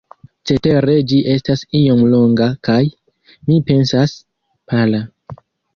Cetere ĝi estas iom longa kaj, mi pensas, pala.